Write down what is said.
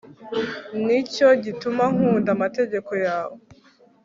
ni cyo gituma nkunda amategeko yawe